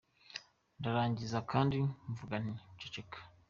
Ndarangiza kandi mvuga nti « Wiceceka !